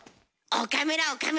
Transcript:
岡村岡村。